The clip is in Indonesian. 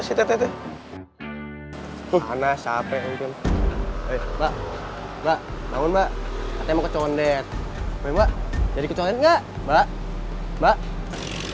kata kata sana sampai mungkin mbak mbak bangun mbak kamu condet memang jadi kecuali enggak mbak mbak